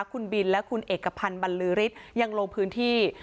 คุณบินและคุณเอกพันธ์บรรลือฤทธิ์ยังลงพื้นที่